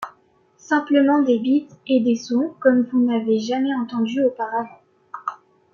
Simplement des beats et des sons comme vous n'avez jamais entendus auparavant.